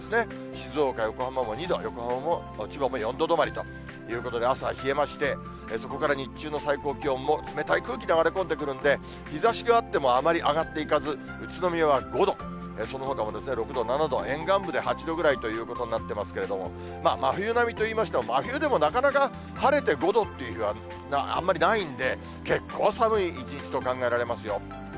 静岡、横浜も２度、千葉も４度止まりということで、朝は冷えまして、そこから日中の最高気温も冷たい空気が流れ込んでくるんで、日ざしがあってもあまり上がっていかず、宇都宮は５度、そのほかも６度、７度、沿岸部で８度ぐらいということになっていますけれども、真冬並みといいましても、真冬でもなかなか晴れて５度という日はあんまりないんで、結構寒い一日と考えられますよ。